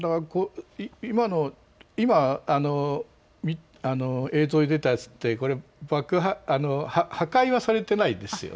今、映像に出たやつ、これ、破壊はされてないですよね。